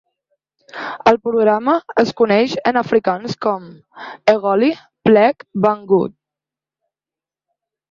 El programa es coneix en afrikaans com "Egoli: Plek van Goud".